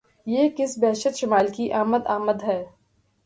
یہ کس بہشت شمائل کی آمد آمد ہے!